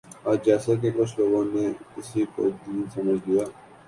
آج جیساکہ کچھ لوگوں نے اسی کو دین سمجھ لیا